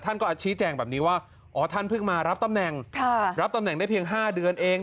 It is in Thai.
ท่านก็อาชีพแจงแบบนี้ว่าอ๋อ๒พึ่งมารับตำแหน่งรับตำแหน่งได้เพียง๕เดือนเอง